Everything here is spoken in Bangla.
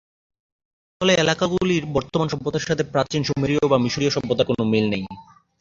ফলে এলাকাগুলির বর্তমান সভ্যতার সাথে প্রাচীন সুমেরীয় বা মিশরীয় সভ্যতার কোন মিল নেই।